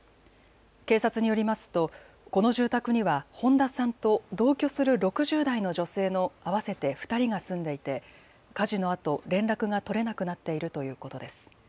警察によりますとこの住宅には本田さんと同居する６０代の女性の合わせて２人が住んでいて火事のあと連絡が取れなくなっているということです。